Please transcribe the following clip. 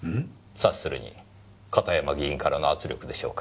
察するに片山議員からの圧力でしょうか？